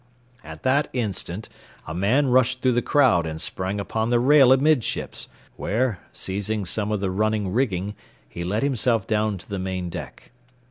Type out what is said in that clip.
At that instant a man rushed through the crowd and sprang upon the rail amidships, where, seizing some of the running rigging, he let himself down to the main deck.